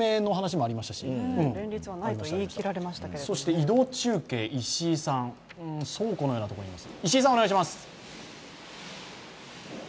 移動中継、石井さん、倉庫のようなところにいます。